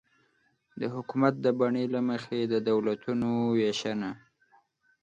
د حکومت د بڼې له مخې د دولتونو وېشنه